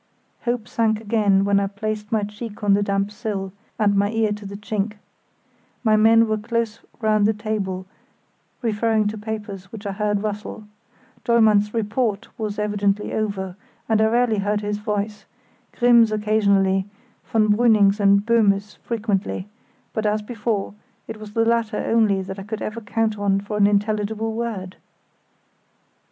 Hope sank again when I placed my cheek on the damp sill, and my ear to the chink. My men were close round the table referring to papers which I heard rustle. Dollmann's "report" was evidently over, and I rarely heard his voice; Grimm's occasionally, von Brüning's and Böhme's frequently; but, as before, it was the latter only that I could ever count on for an intelligible word.